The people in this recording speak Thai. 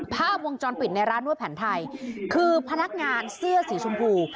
ภาพวงจรปิดในร้านนวดแผนไทยคือพนักงานเสื้อสีชมพู